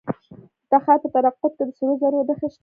د تخار په درقد کې د سرو زرو نښې شته.